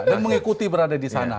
dan mengikuti berada di sana